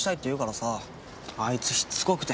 あいつしつこくて。